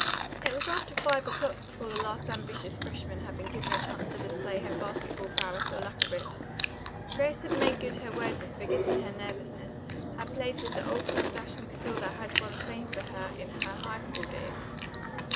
It was after five o'clock before the last ambitious freshman had been given a chance to display her basketball prowess or lack of it. Grace had made good her word and forgetting her nervousness had played with the old time dash and skill that had won fame for her in her high school days.